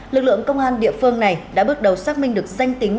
lực lượng công an địa phương này đã bước đầu xác minh được danh tính